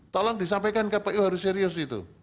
tolong disampaikan kpu harus serius itu